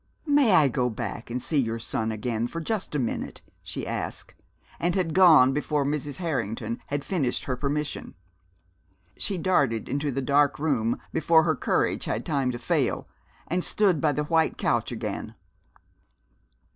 "May I go back and see your son again for just a minute?" she asked, and had gone before Mrs. Harrington had finished her permission. She darted into the dark room before her courage had time to fail, and stood by the white couch again.